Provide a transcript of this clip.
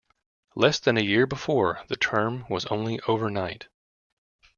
Less than a year before the term was only overnight.